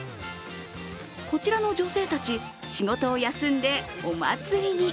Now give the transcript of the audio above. こちらの女性たち、仕事を休んで、お祭りに。